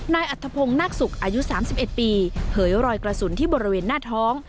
อัธพงศ์นาคศุกร์อายุ๓๑ปีเผยรอยกระสุนที่บริเวณหน้าท้อง